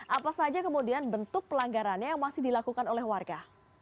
apa saja kemudian bentuk pelanggarannya yang masih dilakukan oleh warga